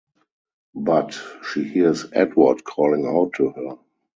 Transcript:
But, she hears Edward calling out to her.